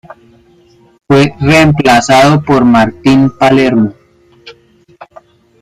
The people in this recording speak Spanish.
Fue reemplazado por Martín Palermo.